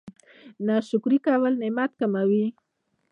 ناشکري کول نعمت کموي